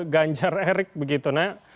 ganjar erik begitu nah